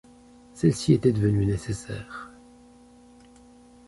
Celles-ci étaient devenues nécessaires.